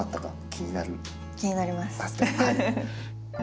気になります。